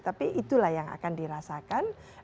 tapi itulah yang akan dirasakan